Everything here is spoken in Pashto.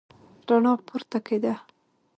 رڼا پورته کېدله.